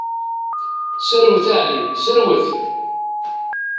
Serwet a Ɛli, serwet!